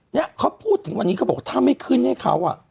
เนี่ยเขาพูดถึงวันนี้เขาบอกถ้าไม่ขึ้นให้เขาอ่ะ